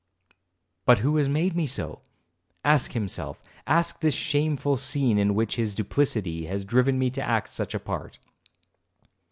'But who has made me so? Ask himself,—ask this shameful scene, in which his duplicity has driven me to act such a part.'